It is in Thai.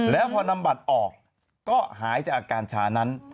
แล้วพอนำบัตรออกก็หายจากอาการชานั้น